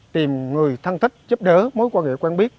tìm người thân thích giúp đỡ mối quan hệ quen biết